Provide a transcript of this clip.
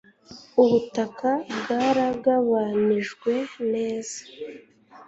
Ubutaka bwaragabanijwe neza